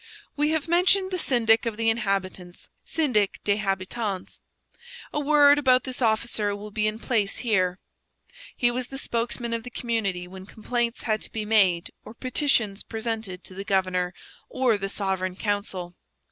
We have mentioned the syndic of the inhabitants syndic des habitants. A word about this officer will be in place here. He was the spokesman of the community when complaints had to be made or petitions presented to the governor or the Sovereign Council.